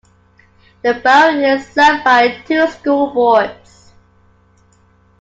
The Borough is served by two school boards.